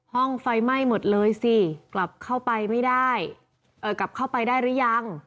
ห้องไฟไหม้หมดเลยสิกลับเข้าไปได้หรือยัง